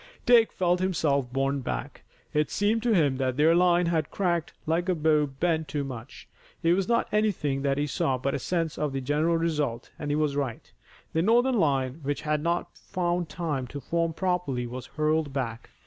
Dick felt himself borne back. It seemed to him that their line had cracked like a bow bent too much. It was not anything that he saw but a sense of the general result, and he was right. The Northern line which had not found time to form properly, was hurled back.